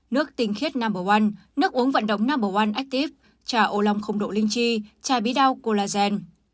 nước tinh khiết no một nước uống vận động no một active trà ô lòng không độ linh chi trà bí đao collagen